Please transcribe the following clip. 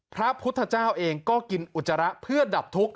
พระพุทธเจ้าเองก็กินอุจจาระเพื่อดับทุกข์